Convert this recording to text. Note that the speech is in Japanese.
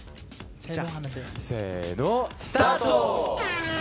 せーの、スタート！